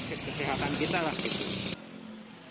akses kesehatan kita lah gitu